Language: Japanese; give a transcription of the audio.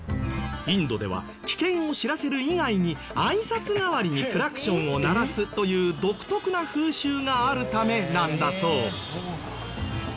インドでは危険を知らせる以外に挨拶代わりにクラクションを鳴らすという独特な風習があるためなんだそう。